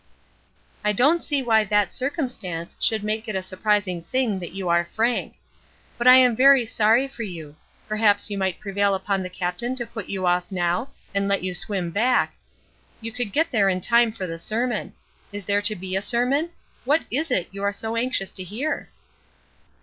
"I don't see why that circumstance should make it a surprising thing that you are frank. But I am very sorry for you; perhaps you might prevail on the Captain to put you off now, and let you swim back; you could get there in time for the sermon. Is there to be a sermon? What is it you are so anxious to hear?"